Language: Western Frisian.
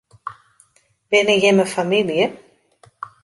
Binne jimme famylje?